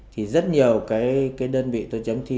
thì rất nhiều đơn vị tôi chấm thi